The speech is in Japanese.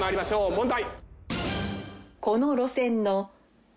問題。